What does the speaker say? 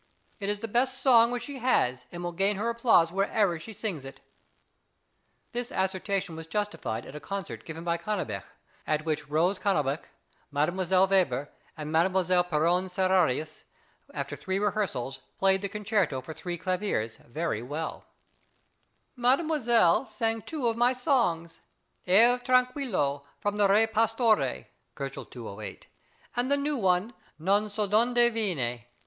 It is the best song which she has, and will gain her applause wherever she sings it. This assertion was justified at a concert given by Cannabich, at which Rose Cannabich, Mdlle. Weber, and Mdlle. Pierron Serrarius, after three rehearsals, played the concerto for three claviers very well: Mdlle. Weber sang two of my songs, "Aer tranquillo," from the "Re Pastore," (208 K.), and the new one, "Non sö d'onde viene."